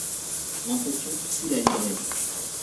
L’impression tue la librairie.